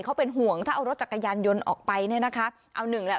เขาเป็นห่วงถ้าเอารถจักรยานยนต์ออกไปเนี่ยนะคะเอาหนึ่งแหละ